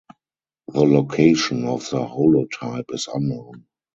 The location of the holotype is unknown.